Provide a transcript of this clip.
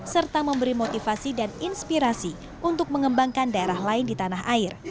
serta memberi motivasi dan inspirasi untuk mengembangkan daerah lain di tanah air